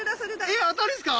え当たりですか！